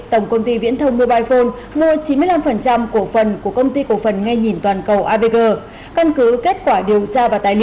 tổng công ty viễn thương mobile phone đua chín mươi năm của công ty tổ phần ngay nhìn toàn cầu ard tv